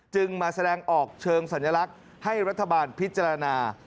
มาแสดงออกเชิงสัญลักษณ์ให้รัฐบาลพิจารณา